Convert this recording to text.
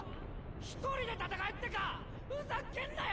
⁉１人で戦えってか⁉ふざけんなよ